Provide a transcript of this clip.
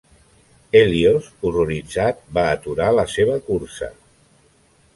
Hèlios, horroritzat, va aturar la seva cursa.